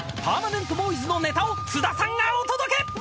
パーマネントボーイズのネタを津田さんがお届け！］